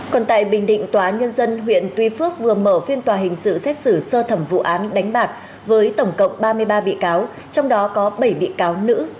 còn tại bình định tòa nhân dân huyện tuy phước vừa mở phiên tòa hình sự xét xử sơ thẩm vụ án đánh bạc với tổng cộng ba mươi ba bị cáo trong đó có bảy bị cáo nữ